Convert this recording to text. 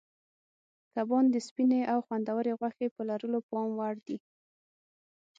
کبان د سپینې او خوندورې غوښې په لرلو پام وړ دي.